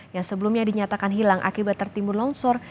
yang sebelumnya dinyatakan hilang akibat tertimbun longsor